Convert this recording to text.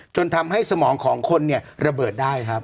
จนทำให้สมองของคนเนี่ยระเบิดได้ครับ